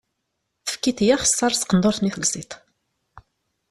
Tefkiḍ-iyi axessaṛ s tqendurt-nni telsiḍ.